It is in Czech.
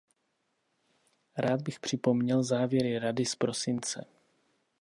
Rád bych připomněl závěry Rady z prosince.